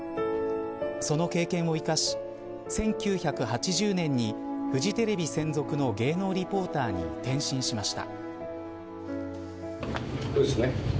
その経験を生かし１９８０年にフジテレビ専属の芸能リポーターに転身しました。